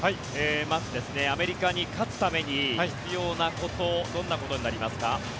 まず、アメリカに勝つために必要なことどんなことになりますか？